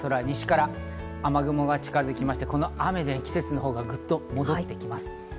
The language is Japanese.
西から雨雲が近づきまして、この雨で季節のほうがグッと戻ってきます。